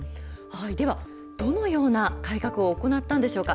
ではどのような改革を行ったんでしょうか。